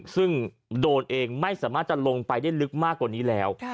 ซึ่งโดรนเองไม่สามารถจะลงไปได้ลึกมากกว่านี้แล้ว